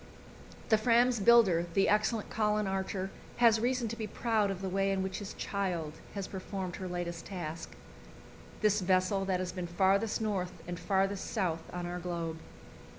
The Fram's builder, the excellent Colin Archer, has reason to be proud of the way in which his "child" has performed her latest task this vessel that has been farthest north and farthest south on our globe.